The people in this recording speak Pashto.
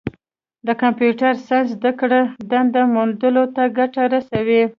د کمپیوټر ساینس زدهکړه دنده موندلو ته ګټه رسوي.